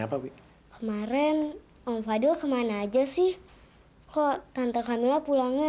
sampai jumpa di video selanjutnya